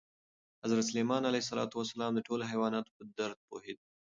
حضرت سلیمان علیه السلام د ټولو حیواناتو په درد پوهېده.